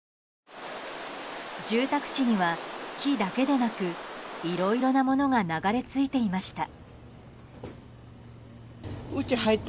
住宅地には木だけでなくいろいろなものが流れ着いていました。